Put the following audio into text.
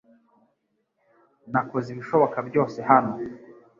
Nakoze ibishoboka byose hano .